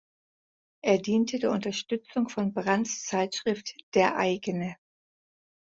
Er diente der Unterstützung von Brands Zeitschrift "Der Eigene".